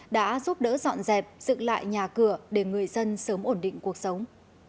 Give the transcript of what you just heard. đã giúp đỡ dọn dẹp dựng lại nhà cửa để người dân sớm ổn định cuộc sống